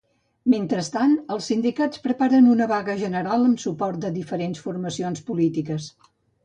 Mentrestant, els sindicats preparen una vaga general amb el suport de diferents formacions polítiques.